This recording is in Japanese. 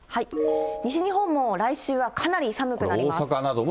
西日本も来週はかなり寒くなります。